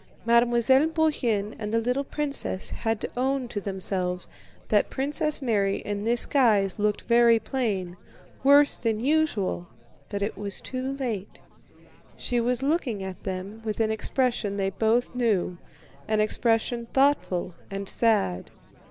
Mademoiselle Bourienne and the little princess had to own to themselves that Princess Mary in this guise looked very plain, worse than usual, but it was too late. She was looking at them with an expression they both knew, an expression thoughtful and sad.